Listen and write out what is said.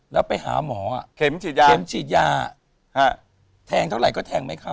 แล้วไปหาหมอเข็มฉีดยาแทงเท่าไหร่ก็แทงไม่เข้า